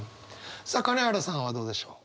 さあ金原さんはどうでしょう？